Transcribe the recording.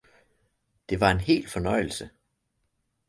Det var en hel fornøjelse!